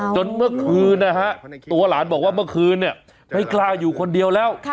จนเมื่อคืนนะฮะตัวหลานบอกว่าเมื่อคืนเนี่ยไม่กล้าอยู่คนเดียวแล้ว